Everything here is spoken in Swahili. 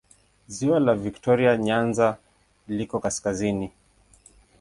Ziwa la Viktoria Nyanza liko kaskazini.